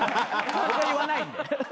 僕は言わないんで。